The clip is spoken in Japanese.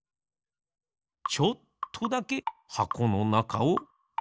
ちょっとだけはこのなかをひとくふう。